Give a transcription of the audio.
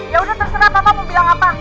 ya udah terserah bapak mau bilang apa